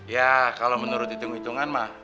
ya kalau menurut hitung hitungan mah